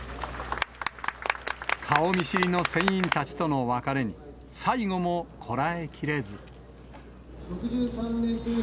顔見知りの船員たちとの別れに、最後もこらえきれず。